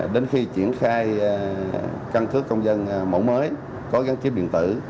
đến khi triển khai cân cước công dân mẫu mới có gắn chiếc điện tử